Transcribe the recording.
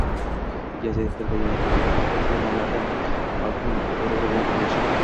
Gaz, elektr va yana bir-ikki temalarda xalqning g‘ururi bilan o‘ynashib